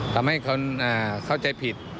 ทำให้เขาเข้าใจผิด